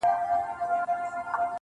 • یو څوک دي ووایي چي کوم هوس ته ودرېدم .